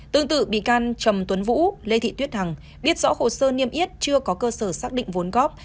tương tự bị can trầm tuấn vũ lê thị tuyết hằng biết rõ hồ sơ niêm yết chưa có cơ sở xác định vốn góp